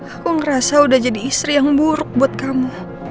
aku ngerasa udah jadi istri yang buruk buat kamu